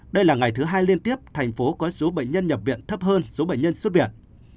đây là ngày thứ hai liên tiếp thành phố có số bệnh nhân nhập viện thấp hơn số bệnh nhân xuất viện